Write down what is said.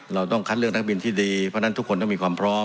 เราต้องคัดเลือกนักบินที่ดีเพราะฉะนั้นทุกคนต้องมีความพร้อม